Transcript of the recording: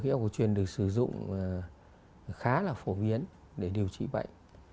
thảo dược hiệu quả truyền được sử dụng khá là phổ biến để điều trị bệnh